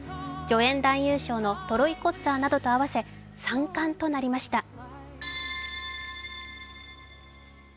助演男優賞のトロイ・コッツァーなどと合わせ、３冠となりました。